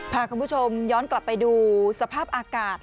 พาคุณผู้ชมย้อนกลับไปดูสภาพอากาศ